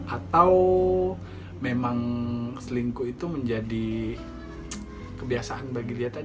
atau memang selingkuh itu menjadi kebiasaan bagi dia tadi